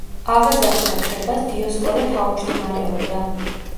ავაზაკთა კრებას დიოსკორე თავმჯდომარეობდა.